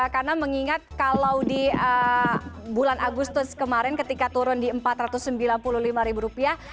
karena mengingat kalau di bulan agustus kemarin ketika turun di empat ratus sembilan puluh lima ribu rupiah